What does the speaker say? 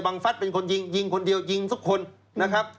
ฟัฐเป็นคนยิงยิงคนเดียวยิงสักคนนะครับ